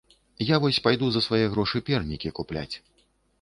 Я вось пайду за свае грошы пернікі купляць.